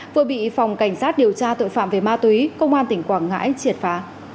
vừa bị phòng cảnh sát điều tra tội phạm về ma túy công an tỉnh quảng ngãi triệt phá